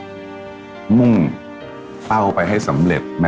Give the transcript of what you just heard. ส่วนความเพียงเราก็ถูกพูดอยู่ตลอดเวลาในเรื่องของความพอเพียง